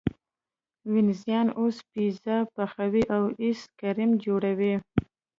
وینزیان اوس پیزا پخوي او ایس کریم جوړوي.